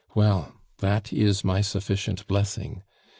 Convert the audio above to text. "Well, that is my sufficient blessing.